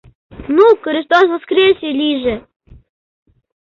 Ну, «Крестос воскресе!» лийже!